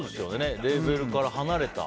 レーベルから離れた。